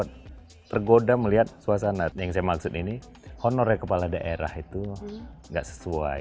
saya tergoda melihat suasana yang saya maksud ini honornya kepala daerah itu nggak sesuai